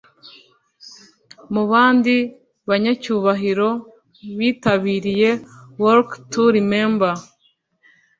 Mu bandi banyacyubahiro bitabiriye Walk To Remember